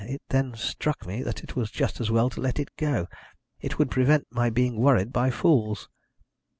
It then struck me that it was just as well to let it go; it would prevent my being worried by fools."